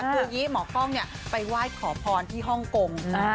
คืออย่างนี้หมอกล้องไปไหว้ขอพรที่ฮ่องกง